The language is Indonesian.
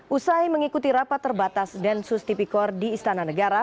usai mengikuti rapat terbatas densus tipikor di istana negara